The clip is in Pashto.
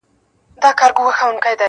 • وئيل ئې دلته واړه د غالب طرفداران دي -